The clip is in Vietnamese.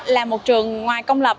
là một trường ngoài công lập